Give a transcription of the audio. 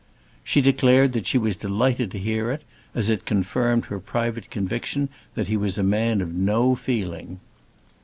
She declared that she was delighted to hear it, as it confirmed her private conviction that he was a man of no feeling.